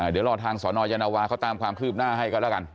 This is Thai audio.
เดี๋ยวรอทางสนยานวาเขาตามความคืบหน้าให้กันแล้วกัน